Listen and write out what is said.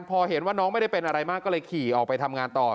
พอเห็นว่าน้องไม่ได้เป็นอะไรมากก็เลยขี่ออกไปทำงานต่อ